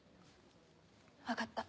分かった。